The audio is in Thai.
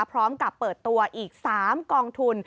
พร้อมกับเปิดตัวอีก๓กองทุน